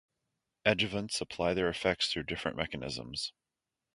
Adjuvants apply their effects through different mechanisms.